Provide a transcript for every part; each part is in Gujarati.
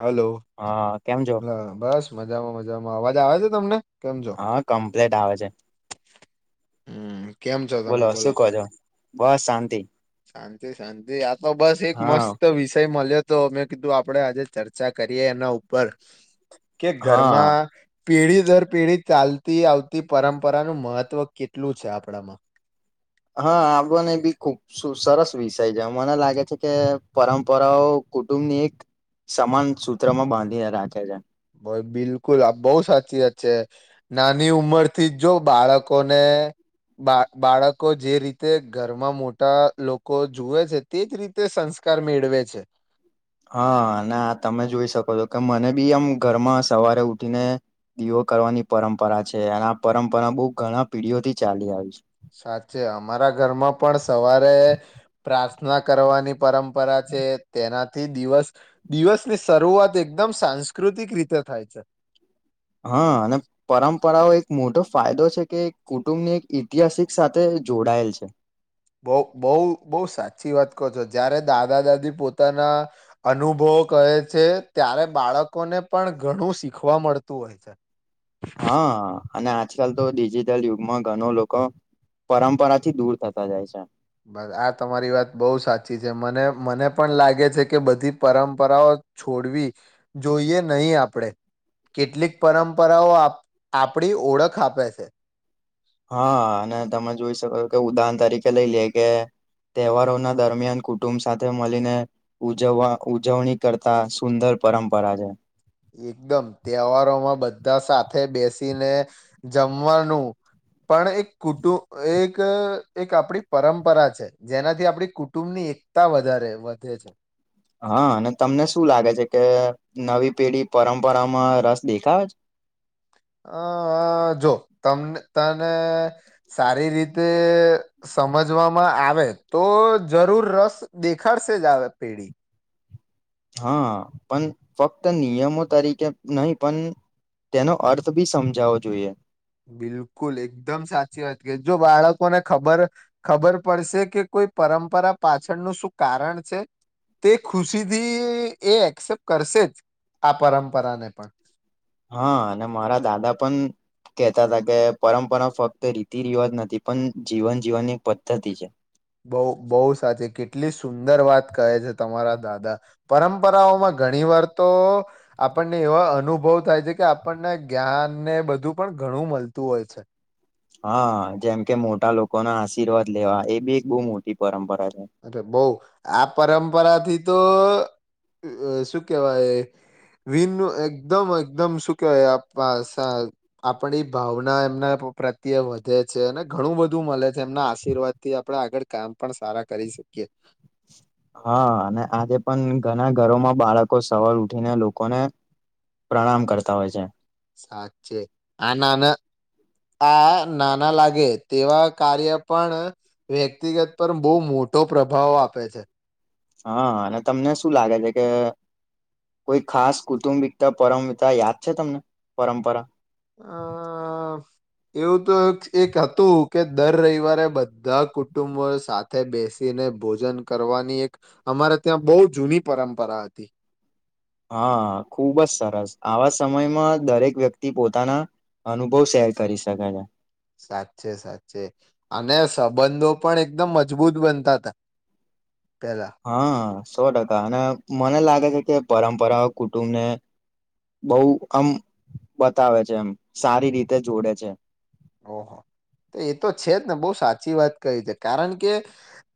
હાલો. હા કેમ છો હા, બસ મજામાં મજ જામાં. અવાજ આવે છે તમને? કેમ છો? હા, કમ્પ્લીટ આવે છે. હમ્મ. બોલો શું કો છો? બસ શાંતિ. શાંતિ શાંતિ આપ તો બસ એક હા મસ્ત વિષય મળ્યો તો મેં કીધું આપડે આજે ચર્ચા કરીએે એના ઉ પર. કે હા ઘરમાં પેઢી દર પેઢી ચાલતી આવતી પરંપરાનું મહત્વ કેટલું છે આપડામાં હા આબને ખુબ સરસ વિષય છે મને લાગે છે કે પરંપરાઓ કુટુંબની એક સમાન સૂત્રમાં બાંધીને રાખે છે. ભાઈ બિલકુલ આ બઉ સાચી વાત છે નાની ઉમર થી જો બાળકોને બા બાળકો જે રીતે ઘરમાં મોટા લોકો જુએ છે તેજ રીતે સંસ્કાર મેળવે છે. હા અને તમે જોઈ શકો છો કે મને બી આમ ઘરમાં સવારે ઉઠીને દીવો કરવાની પરંપરા છે અને આ પરંપરા બહુ ઘણા પીઢીઓ થી ચાલી આવી છે. સાચે અમારા ઘરમાં પણ સવારે પ્રાર્થના કરવાની પરંપરા છે તેનાથી દિવસ દિવસની શરૂઆત એકદમ સાંસ્કૃતિક રીતે થાય છે. હા અને પરંપરાઓ મોટો ફાયદો છે કે કુટુંબની એક ઐતિહાસિક સાથે જોડાયેલ છે. બઉ બઉ બઉ સાચી વાત કહો છો જારે દાદા દાદી પોતાના અનુભવ કહે છે ત્યારે બાળકોને પણ ઘણું શીખવા મળતું હોય છે. હા અને આજકાલ તો ડિજિટલ યુગમાં ઘણો લોકો પરંપરાથી દૂર થતા જાય છે. બસ આ તમારી વાત બઉ સાચી છે મને મને પણ લાગે છે કે બધી પરંપરાઓ છોડવી જોઈએ નહીં આપડે કેટલીક પરંપરાઓ આપડી ઓળખ આપે છે. હા અને તમે જોઈ શકો છો કે ઉદાહરણ તરીકે લઈ લે કે તહેવારો ના દરમિયાન કુટુંબ સાથે મળીને ઉજવવા ઉજવણી કરતા સુંદર પરંપરા છે. એકદમ તહેવારોમાં બધા સાથે બેસીને જમવાનું પણ એક કુટું એક એક આપડી પરંપરા છે જેનાથી આપડી કુટુંબની એકતા વધારે વધે છે. હા અને તમને શું લાગે છે કે નવી પેઢી પરંપરામાં રસ દેખાવે છ અ જો તમને તને સારી રીતે સમજવામાં આવે તો જરૂર રસ દેખાડશે જ આવે પેઢી. હા પણ ફક્ત નિયમો તરીકે નહી પણ તેનો અર્થ બી સમજાવો જોઈએ બિલકુલ એકદમ સાચી વાત કે જો બાળકોને ખબર ખબર પડશે કે કોઈ પરંપરા પાછળનું શું કારણ છે તે ખુશીથી એ એક્સેપ્ટ કરશે જ આ પરંપરાને પણ. હા અને મારા દાદા પણ કેહેતા હતા કે પરંપરા ફક્ત રીતિ રિવાજ નથી પણ જીવન જીવનની પદ્ધતિ છે. બોવ બોવ સાચી કેટલી સુંદર વાત કહે છે તમારા દાદા પરંપરાઓમાં ઘણી વાર તો આપણને એવા અનુભવ થાય છે કે આપણને જ્ઞાનને બધું પણ ઘણું મળતું હોય છે. હા જેમ કે મોટા લોકો ના આશીર્વાદ લેવા એ બી એક બો મોટી પરંપરા. છે એટલે બઉ આ પરંપરા થી તો શું કેવાય વિન એકદમ એકદમ શું કેવાય આપડી ભાવના એમના પ્રત્યે વધે છે અને ઘણું બધું મળે છે એમના આશીર્વાદ થી આપડે આગળ કામ પણ સારા કરી શકીએ. હા અને આજે પણ ઘણા ઘરોમાં બાળકો સવાર ઉઠીને લોકોને પ્રણામ કરતા હોય છે. સાચે આ નાના આ નાના લાગે તેવા કાર્ય પણ વ્યક્તિગત પર બઉ મોટો પ્રભાવ આપે છે. હા અને તમને શું લાગે છે કે કોઈ ખાસ કુટુંબિકતા પરમપતા યાદ છે તમને પરંપરા અ એવું તો એક હતું કે દર રવિવારે બધા કુટુંબો સાથે બેસીને ભોજન કરવાની એક અમારે ત્યાં બઉ જૂની પરંપરા હતી. હા ખુબ જ સરસ આવા સમયમાં દરેક વ્યક્તિ પોતાના અનુભવ શેર કરી શકે છે. સાચે સાચે અને સંબંધો પણ એકદમ મજબૂત બનતા હતા. પેલા હા. સો ટકા અને મને લાગે છે કે પરંપરાઓ કુટુંબને બઉ આમ બતાવે છે એમ સારી રીતે જોડે છે. ઓહો તો એ તો છે જ ને બહુ સાચી વાત કહી છે કારણ કે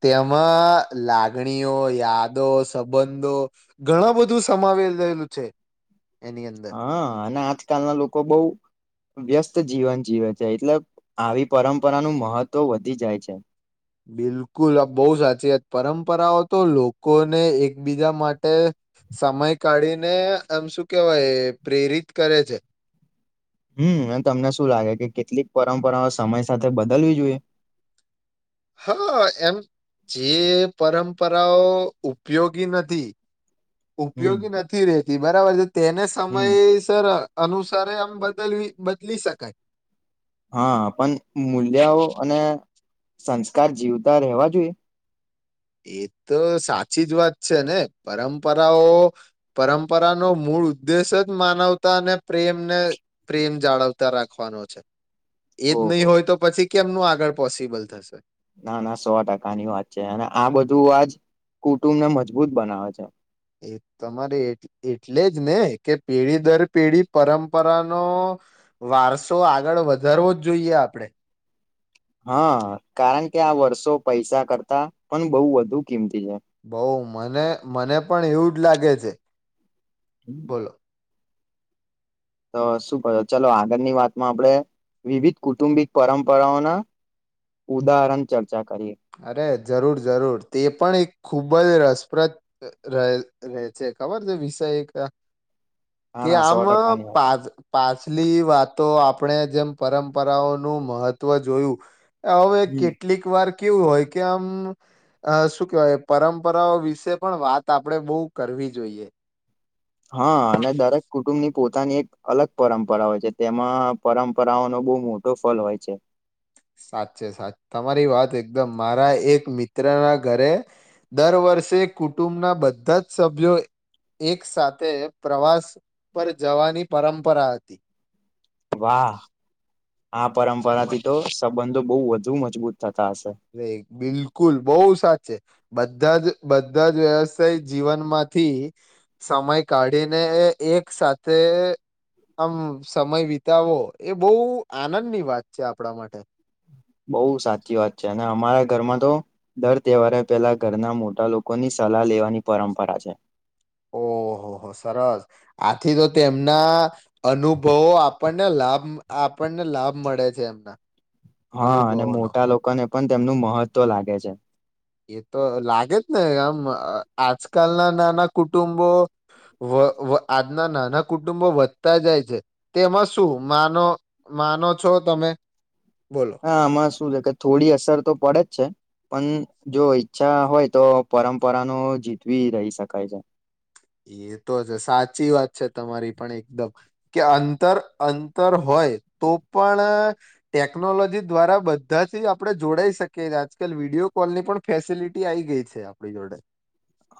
તેમાં લાગણીઓ યાદો સંબંધો ઘણા બધું સમાવી રહેલું છે. એની અંદર હા અને આજકાલના લોકો બઉ વ્યસ્ત જીવન જીવે છે એટલે આવી પરંપરાનું મહત્વ વધી જાય છે. બિલકુલ બઉ સાચી વાત પરંપરાઓ તો લોકોને એકબીજા માટે સમય કાઢીને એમ શું કેવાય પ્રેરિત કરે છે. હમ અને તમને શું લાગે કે કેટલીક પરંપરાઓ સમય સાથે બદલવી જોઈએ. હા એમ જે પરંપરાઓ ઉપયોગી નથી. હમ ઉપયોગી નથી રે. તી બરાબર છે. તેને હમ સમયસર. અનુસારે આમ બદલવી બદલી શકાય. હા પણ મૂલ્યાઓ અને સંસ્કાર જીવતા રહેવા જોઈએ. એ તો સાચી જ વાત છે ને પરંપરાઓ પરંપરાનો મૂળ ઉદ્દેશ જ માનવતા અને પ્રેમને પ્રેમ જાળવતા રાખવાનો છે. એજ ઓહો નહી હોય તો પછી કેમનું આગળ પોસિબલ થશે ના ના સો ટકા ની વાત છે અને આ બધું આજ કુટુંબ ને મજબૂત બનાવે છે એ તમારે એટલે જ ને કે પેઢી દર પેઢી પરંપરાનો વારસો આગળ વધારવો જ જોઈએ આપડણે હા કારણ કે આ વર્ષો પૈસા કરતા પણ બહું વધુ કિંમતી છે. બહું મને મને પણ એવું લાગે છે હમ બોલો તો શું કરો ચાલો આગળની વાતમાં આપણેે વિવિધ કુટુંબિક પરંપરાઓના ઉદાહરણ કરીએ. અરે જરૂર જરૂર તે પણ એક ખૂબ જ રસપ્રદ રહે છે ખબર છે વિષય ક હા કે ના સો આમ ટકાની વાત છે પા પાછલી વાતો આપણે જેમ પરંપરાઓનું મહત્વ જોયું હવે હમ. કેટલીક વાર કેવું હોય કે આમ શું કેવાય પરંપરાઓ વિશે પણ વાત આપણેે બહું કરવી જોઈએ હા અને દરેક કુટુંબ ની પોતાની એક અલગ પરંપરા હોય છે તેમાં પરંપરાઓનો બહુ મોટો ફલ હોય છે સાચે સાચે તમારી વાત એકદમ મારા એક મિત્રના ઘરે દર વર્ષે કુટુંબના બધા જ સભ્યો એક સાથે પ્રવાસ પર જવાની પરંપરા હતી વાહ આ પરંપરાથી તો સંબંધો બહુ વધું મજબૂત થતા હશે. બિલકુલ બહુ સાચે બધા જ બધા જ વ્યવસાય જીવનમાંથી સમય કાઢીને એક સાથે આમ સમય વિતાવો એ બહુ આનંદની વાત છે આપણા માટે બહુ સાચી વાત છે અને અમારા ઘરમાં તો દર તહેવારે પેલા ઘરના મોટા લોકોની સલાહ લેવાની પરંપરા છે ઓહહ સરસ આથી તો તેમના અનુભવો આપણને લાભ આપણને લાભ મળે છે એમના હા અને અનુભવોનો મોટા લોકોને પણ તેમનું મહત્વ લાગે છે એ તો લાગે જ ને આમ આજકાલના નાના કુટુંબો આજના નાના કુટુંબો વધતા જાય છે તેમાં શું માનો માનો છો તમે બોલો હામાં શું છે થોડી અસર તો પડે જ છે પણ જો ઈચ્છા હોય તો પરંપરા ન જીતવી રહી શકાય છે એ તો જ સાચી વાત છે તમારી પણ એકદમ કે અંતર અંતર હોય તો પણ ટેકનોલોજી દ્વારા બધાથી આપડણે જોડાઈ શકીએ આજકાલ વિડિયો કોલ ની પણ ફેસિલિટી આવી ગઈ છે આપણી જોડે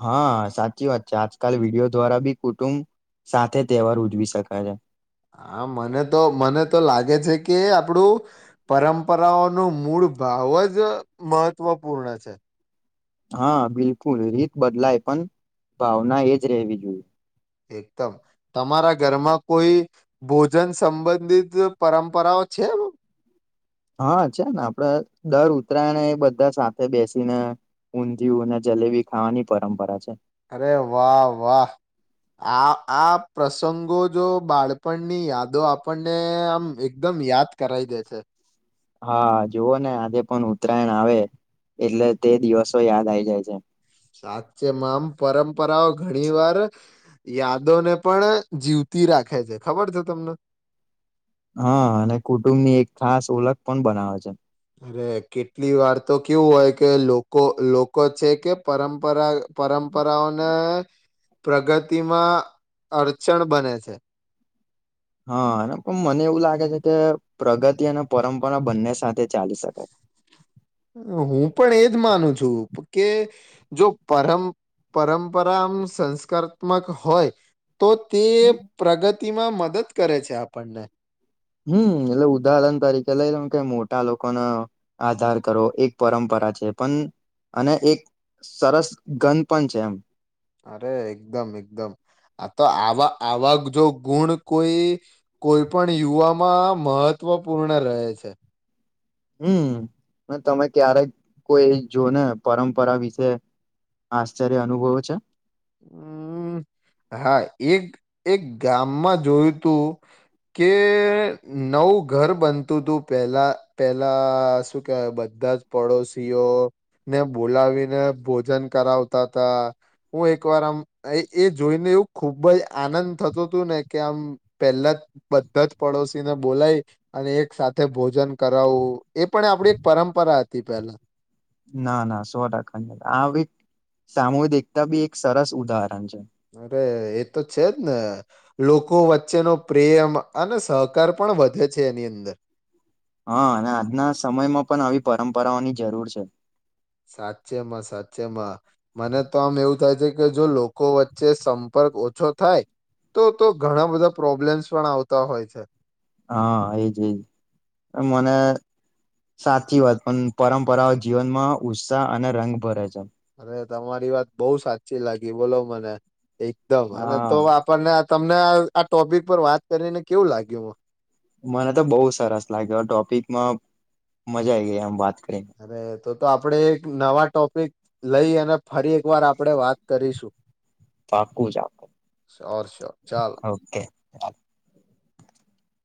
હા સાચી વાત છે આજકાલ વિડિયો દ્વારા બી કુટુંબ સાથે તહેવાર ઉજવી શકાય છે હા મને તો મને તો લાગે છે કે આપણું પરંપરાઓનું મૂળ ભાવ જ મહત્વપૂર્ણ છે હા બિલકુલ રીત બદલાય પણ ભાવના એજ રહેવી જોઈએ એકદમ તમારા ઘરમાં કોઈ ભોજન સંબંધિત પરંપરાઓ છે હા છે ને આપડે દર ઉત્તરાયણ એ બધા સાથે બેસીને ઊંધિયું અને જલેબી ખાવાની પરંપરા છે અરે વાહ વાહ આ આ પ્રસંગો જો બાળપણની યાદો આપણને આમ એકદમ યાદ કરાવી દે છે હા જુવઓ ને આજે પણ ઉત્તરાયણ આવે એટલે તે દિવસો યાદ આઈ જાય છે સાચેમાં આમ પરંપરાઓ ઘણી વાર યાદોને પણ જીવતી રાખે છે ખબર છે તમને હા અને કુટુંબ ની એક ખાસ ઓળખ પણ બનાવે છે અરે કેટલી વાર તો કેવું હોય કે લોકો લોકો છે, કે પરંપરા પરં પરઓને પ્રગતિમાં અડચણ બને છે, હા, પણ મને એવું લાગે છે કે પ્રગતિ અને પરંપરા બંને સાથે ચાલી શકાય, હું પણ એજ માનું કે જો પર પરંપરા આમ સંસ્કારાત્મક હોય, તો તે પ્રગતિમાં મ મદદ કરે છે, આપણને હમ્મ એટલે ઉદાહરણ તરીકે લઈ લો કે મોટા લોકોનો આધાર કરો એક પરંપરા છે, પણ અને એક સરસ ગન પન છે, એમ અરે એકદમ એકદમ આ તો આવા આવા જો ગુણ કોઈ કોઈ પણ યુવામાં મહત્વપૂર્ણ રહે છે. હમ્મ પણ તમે ક્યારેક કોઈ જો ને પરંપરા વિશે આશ્ચર્ય અનુભવ છે, હમ્મ હા એક એક ગામમાં જોયું તું કે નવું ઘર બનતું હતું, પેલા પેલા શું કેવાય બધા જ પડોશીઓને બોલાવીને ભોજન કરાવતા તાતા હું એક વાર આમ એ જોઈને એવું ખુબ જ આનંદ થતો હતું, ને કે આમ પહેલા બધા જ પડોશીને બોલાય અને એક સાથે ભોજન કરાવું એ પણ આપડી એક પરંમપરા હતી, પેલા ના ના સો ટકાની આ સામૂહિક એકતા ભી એક સરસ ઉદાહરણ છે, અરે એ તો છે જ ને લોકો વચ્ચેનો પ્રેમ અને સહકાર પણ વધે છે, એની અંદર હા, અને આજના સમયમાં પન આવી પરંપરાઓની જરૂર છે, સાચેમાં સાચેમાં મને તો આમ એવું થાય છે, કે જો લોકો વચ્ચે સંપર્ક ઓછો થાય તો તો ઘણા બધા પ્રોબ્લેમ્સ પણ આવતા હોય છે, હા એજ એજ મને સાચી વાત પન પરંમપરાઓ જીવનમાં ઉત્સાહ અને રંગ ભરે છે, અરે તમારી વાત બો સાચી લાગી બોલો મને, એકદમ અને હા તો આપણને તમને આ ટોપિક પર વાત કરીને કેવું લાગ્યું? મને તો બોઉ સરસ લાગ્યો ટોપિકમાં મજા આઈ ગઈ આમ વાત કરીને અરે તો તો આપડે એક નવા ટોપિક લઈ અને ફરી એક વાર આપણેે વાત કરીશું, પાકું જ શ્યોર શ્યોર ચાલો [unintelligible] ઓ કે,